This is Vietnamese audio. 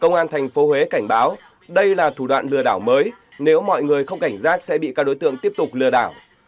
công an tp huế cảnh báo đây là thủ đoạn lừa đảo mới nếu mọi người không cảnh giác sẽ bị các đối tượng tiếp tục lừa đảo